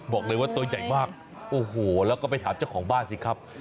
บอกเลยว่าตัวใหญ่มากโอ้โหแล้วก็ไปถามเจ้าของบ้านสิครับ